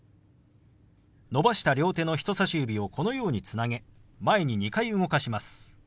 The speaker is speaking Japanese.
伸ばした両手の人さし指をこのようにつなげ前に２回動かします。